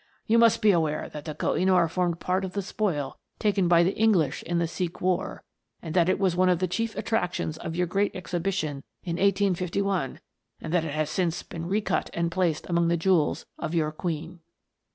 You must be aware that the Koh i noor formed part of the spoil THE GNOMES. 267 taken by the English in the Sikh war ; that it was one of the chief attractions of your Great Ex hibition in 1851 ; and that it has since been recut and placed among the jewels of your queen.